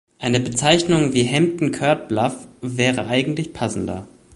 Eine Bezeichnung wie Hampton-Court-Bluff wäre eigentlich passender.